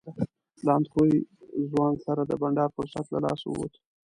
له اندخویي ځوان سره د بنډار فرصت له لاسه ووت.